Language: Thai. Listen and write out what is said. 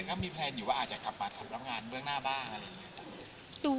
แต่ก็มีแพลนอยู่ว่าอาจจะกลับมาทำงานเบื้องหน้าบ้าง